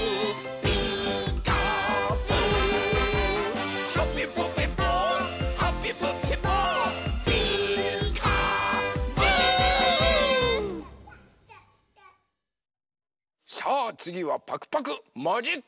「ピーカーブ！」さあつぎはパクパクマジックショー！